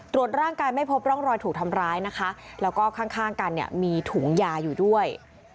ร่างกายไม่พบร่องรอยถูกทำร้ายนะคะแล้วก็ข้างกันเนี่ยมีถุงยาอยู่ด้วย